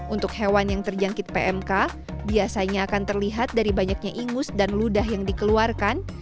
untuk hewan yang terjangkit pmk biasanya akan terlihat dari banyaknya ingus dan ludah yang dikeluarkan